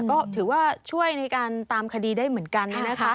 ก็ถือว่าช่วยในการตามคดีได้เหมือนกัน